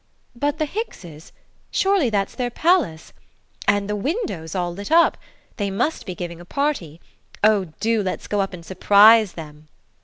"But the Hickses surely that's their palace? And the windows all lit up! They must be giving a party! Oh, do let's go up and surprise them!"